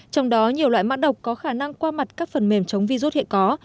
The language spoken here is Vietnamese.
trong đó nhiều loại mã độc có khả năng qua mặt các phần mềm chống virus hiện có